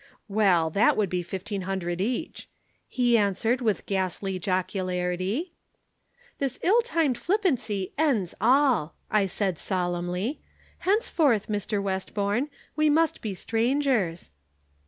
"'Well, that would be fifteen hundred each,' he answered with ghastly jocularity. "'This ill timed flippancy ends all,' I said solemnly. 'Henceforth, Mr. Westbourne, we must be strangers.'